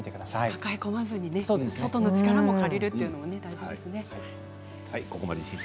抱え込まずに外の力を借りるということも大事ですね。